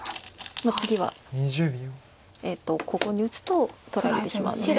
次はここに打つと取られてしまうので。